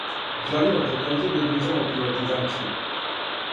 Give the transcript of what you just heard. Желимо такође да убрзамо приватизацију.